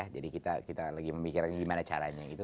jadi kita lagi memikirkan gimana caranya gitu